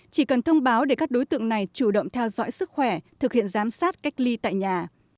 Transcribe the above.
chỉ cần thông báo để các đối tượng này chủ động theo dõi sức khỏe thực hiện giám sát cách ly tại nhà